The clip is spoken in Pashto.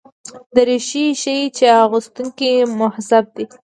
دریشي ښيي چې اغوستونکی مهذب دی.